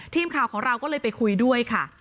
ทีมข่าวของเราก็เลยไปคุยด้วยค่ะ